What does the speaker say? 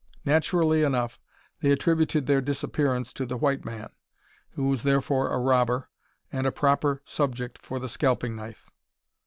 Naturally enough, they attributed their disappearance to the white man, who was therefore a robber, and a proper subject for the scalping knife.